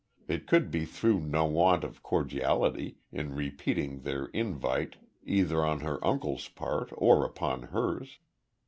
It could be through no want of cordiality in repeating their invite either on her uncle's part or upon hers.